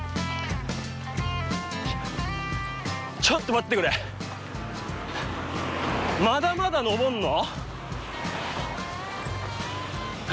ちょっと待ってくれまだまだ上んの？